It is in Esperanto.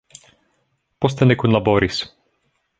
Poste ni kunlaboris.